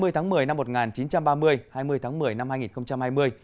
hai mươi tháng một mươi năm một nghìn chín trăm ba mươi hai mươi tháng một mươi năm hai nghìn hai mươi